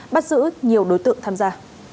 bắt giữ nhiều đối tượng tham gia